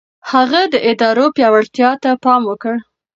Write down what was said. هغه د ادارو پياوړتيا ته پام وکړ.